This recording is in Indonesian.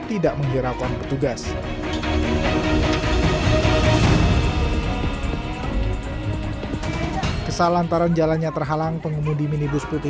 tidak menghiraukan petugas kesal antaran jalannya terhalang pengemudi minibus putih